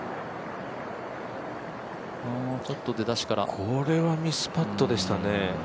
ちょっと出だしからこれはミスパットでしたね